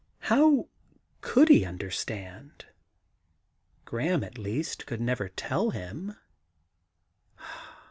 How could he under stand ? Graham, at least, could never tell him.